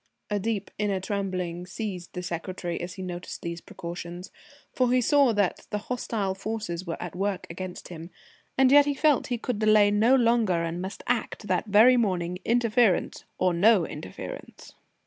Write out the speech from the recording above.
A deep inner trembling seized the secretary as he noticed these precautions, for he saw that the hostile forces were at work against him, and yet he felt he could delay no longer and must act that very morning, interference or no interference.